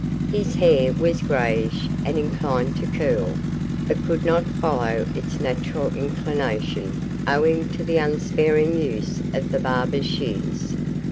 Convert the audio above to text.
His hair was greyish, and inclined to curl, but could not follow its natural inclination owing to the unsparing use of the barber's shears.